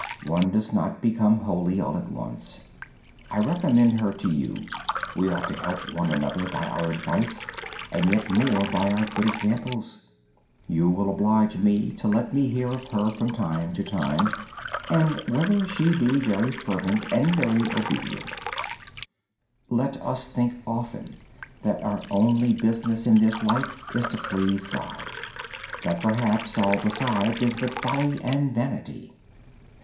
One does not become holy all at once. I recommend her to your guidance. We ought to help one another by our advice, and yet more by our good example. Please let me hear of her from time to time and whether she is very fervent and obedient. Let us often consider that our only business in this life is to please God, that perhaps all besides is but folly and vanity.